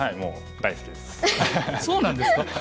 うそなんですか。